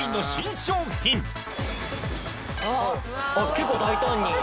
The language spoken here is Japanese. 結構大胆に。